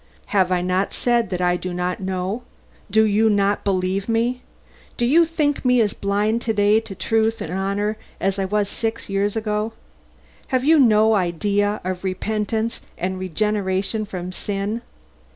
"Have I not said that I do not know? Do you not believe me? Do you think me as blind to day to truth and honor as I was six years ago? Have you no idea of repentance and regeneration from sin?